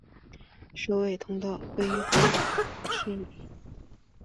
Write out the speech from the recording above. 尾道系统交流道是位于广岛县尾道市的山阳自动车道与尾道自动车道之系统交流道。